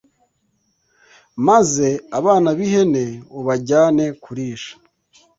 maze abana b’ihene ubajyane kurisha